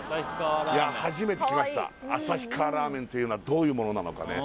初めて来ました旭川ラーメンというのはどういうものなのかね